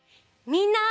みんな！